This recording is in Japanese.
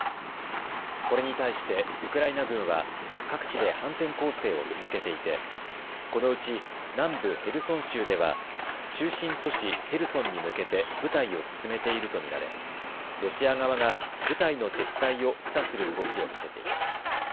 これに対してウクライナ軍は各地で反転攻勢を続けていてこのうち南部ヘルソン州では中心都市ヘルソンに向けて部隊を進めていると見られロシア側が部隊の撤退を示唆する動きを見せています。